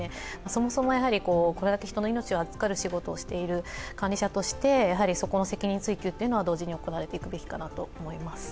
そもそもこれだけ人の命を預かる管理者として、そこの責任追及は同時に行われていくべきかなと思います。